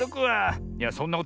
いやそんなことよりさ